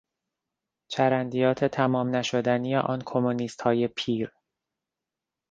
چرندیات تمام نشدنی آن کمونیستهای پیر